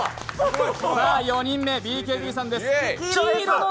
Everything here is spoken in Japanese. さあ４人目、ＢＫＢさんです。